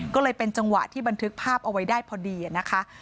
ก็เลยเป็นจังหวะที่บันทึกภาพเอาไว้ได้พอดีนะคะ